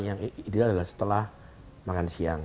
yang ideal adalah setelah makan siang